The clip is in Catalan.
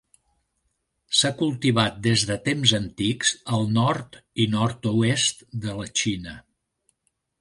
S'ha cultivat des de temps antics al nord i nord-oest de la Xina.